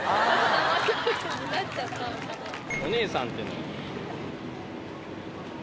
「お姉さん」っていうのは？